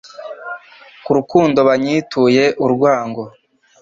ku rukundo banyituye urwango'-.